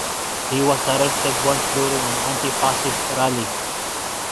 He was arrested once during an anti-fascist rally.